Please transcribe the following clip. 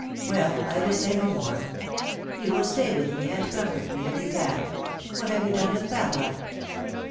Well, I will say no more. You will stay with me and comfort me, if you oan. What have yeu done with Pamela